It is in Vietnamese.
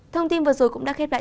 thông tin vừa rồi cũng đã khép lại